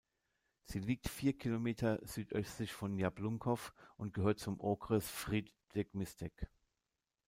Sie liegt vier Kilometer südöstlich von Jablunkov und gehört zum Okres Frýdek-Místek.